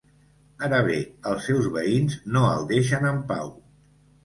Ara bé, els seus veïns no el deixen en pau.